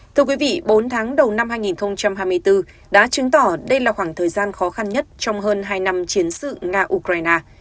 thưa quý vị bốn tháng đầu năm hai nghìn hai mươi bốn đã chứng tỏ đây là khoảng thời gian khó khăn nhất trong hơn hai năm chiến sự nga ukraine